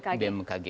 kemudian ke bmkg